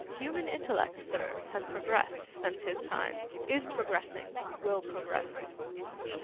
'Human intellect, sir, has progressed since his time, is progressing, will progress.